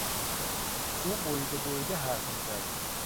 او بریده بریده حرف میزد.